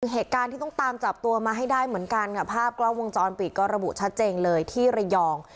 เหตุการณ์ที่ต้องตามจับตัวมาให้ได้เหมือนกันค่ะภาพกล้องวงจรปิดก็ระบุชัดเจนเลยที่ระยอง